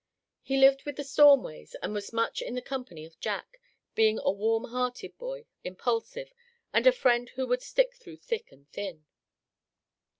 He lived with the Stormways, and was much in the company of Jack, being a warm hearted boy, impulsive, and a friend who would stick through thick and thin.